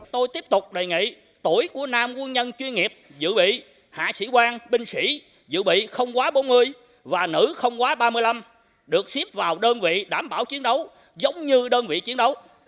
tôi tiếp tục đề nghị tuổi của nam quân nhân chuyên nghiệp dự bị hạ sĩ quan binh sĩ dự bị không quá bốn mươi và nữ không quá ba mươi năm được xếp vào đơn vị đảm bảo chiến đấu giống như đơn vị chiến đấu